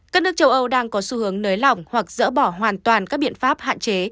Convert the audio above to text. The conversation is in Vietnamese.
các nước châu âu đang có xu hướng nới lỏng hoặc dỡ bỏ hoàn toàn các biện pháp hạn chế